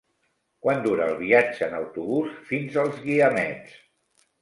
Quant dura el viatge en autobús fins als Guiamets?